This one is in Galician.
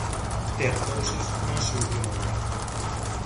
Ter cousas non soluciona nada.